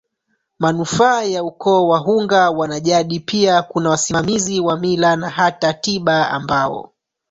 manufaa ya ukooWahunga mwanajadiPia kuna wasimamizi wa Mila na hata tiba ambao